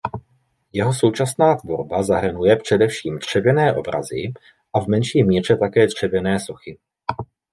Jeho současná tvorba zahrnuje především „dřevěné obrazy“ a v menší míře také dřevěné sochy.